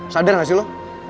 sadar gak sih lo